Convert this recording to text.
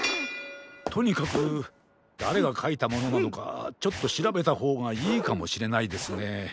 とにかくだれがかいたものなのかちょっとしらべたほうがいいかもしれないですね。